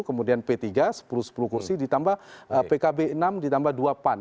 kemudian p tiga sepuluh kursi ditambah pkb enam ditambah dua pan